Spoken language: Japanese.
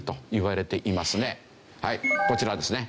はいこちらですね。